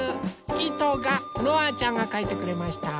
いとがのあちゃんがかいてくれました。